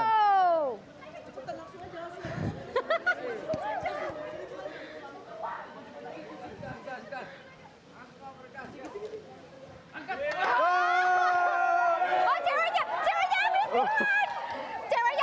langsung aja langsung aja